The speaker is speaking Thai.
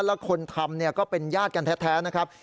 แล้วคนทำก็เป็นญาติกันแท้นะครับ